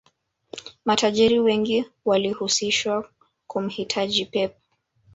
matajiri wengi walihusishwa kumhitaji pep